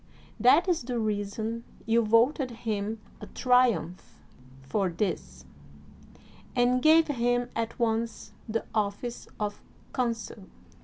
That is the reason you voted 206 MARK ANTONY him a triumph for this, and gave him at once the office of consul.